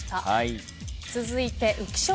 続いて浮所さん。